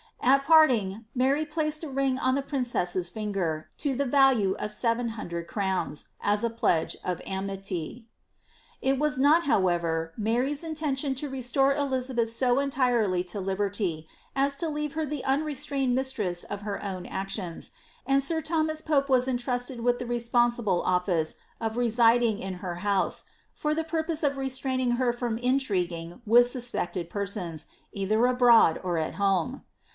At parting, Mary plac^ a ring on the prin Ms's finger, to the value of seven hundred crowns, as a pledge of aity. k was not, however, Mary's intention to restore Elizabeth so entirely » liberty^ as to leave her the unrestrained mistress of her own actiona, id sir Thomas Pope was entrusted with the responsible office of re ding in her house, for the purpose of restraining her from intriguing ith suspected persons, either abroad or at home.